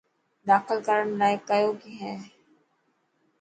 داخل ڪرڻ لاءِ ڪيو هي.